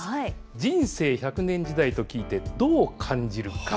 人生１００年時代と聞いてどう感じるか。